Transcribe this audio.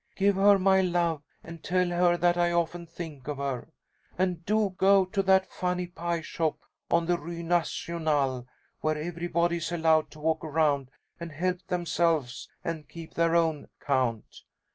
Give her my love, and tell her that I often think of her. And do go to that funny pie shop on the Rue Nationale, where everybody is allowed to walk around and help themselves and keep their own count.